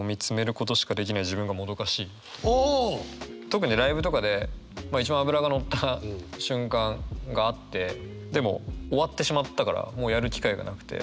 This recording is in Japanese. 特にライブとかで一番脂が乗った瞬間があってでも終わってしまったからもうやる機会がなくて。